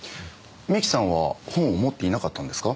三木さんは本を持っていなかったんですか？